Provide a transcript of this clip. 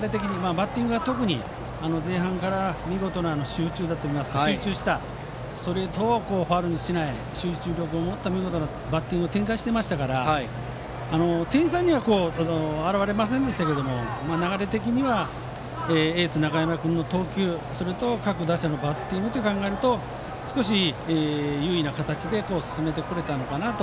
バッティングが特に前半から見事な集中打といいますかストレートをファウルにせず集中力を持った見事なバッティングを展開していたので点差には表れませんでしたが流れ的にはエース、中山君の投球からするとそれと各打者のバッティングと考えると少し優位な形で進めてこられたのかなと。